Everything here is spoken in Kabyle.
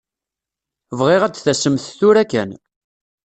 Bɣiɣ ad d-tasemt tura kan.